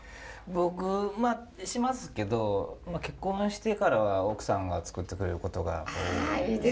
僕まあしますけど結婚してからは奥さんが作ってくれることが多いですね。